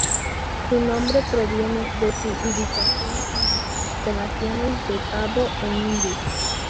Su nombre proviene de su ubicación, en las constelaciones de Pavo e Indus.